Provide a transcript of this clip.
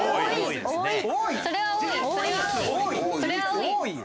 多いよ。